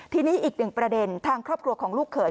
ทีนี้อีกหนึ่งประเด็นทางครอบครัวของลูกเขย